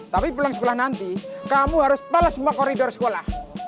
tapi pulang sekolah nanti kamu harus balas semua koridor sekolah